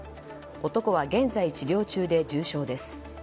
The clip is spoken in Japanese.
男は現在治療中で、重傷です。